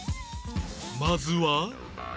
まずは